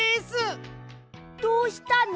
どうしたの？